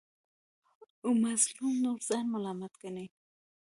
مظلوم نور ځان ملامت ګڼي.